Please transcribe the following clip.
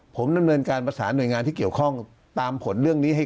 ผมมาว่าภายในวัน๒วันนี้